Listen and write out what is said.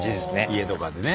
家とかでね。